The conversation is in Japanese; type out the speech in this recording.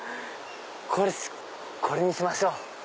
これにしましょう！